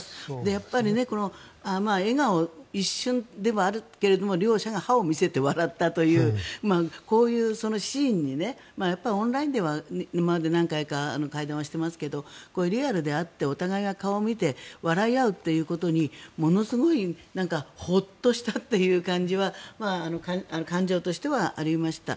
やっぱり笑顔一瞬ではあるけど両者が歯を見せて笑ったというこういうシーンにオンラインでは今まで何回か会談はしていますがこうやってリアルで会ってお互いが顔を見て笑い合うことにものすごいホッとしたという感じは感情としてはありました。